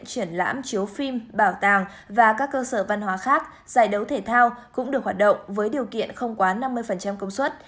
triển lãm chiếu phim bảo tàng và các cơ sở văn hóa khác giải đấu thể thao cũng được hoạt động với điều kiện không quá năm mươi công suất